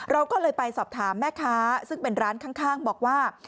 เราก็เลยไปสอบถามแม่ค้าซึ่งเป็นร้านข้างบอกว่า